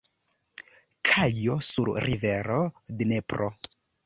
Kajo sur rivero Dnepro.